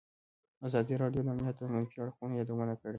ازادي راډیو د امنیت د منفي اړخونو یادونه کړې.